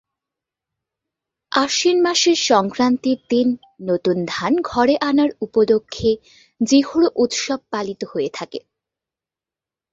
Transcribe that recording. আশ্বিন মাসের সংক্রান্তির দিন নতুন ধান ঘরে আনার উপলক্ষে জিহুড় উৎসব পালিত হয়ে থাকে।